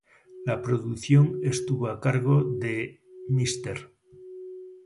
La producción estuvo a cargo de Mr.